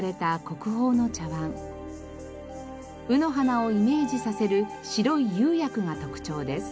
卯の花をイメージさせる白い釉薬が特徴です。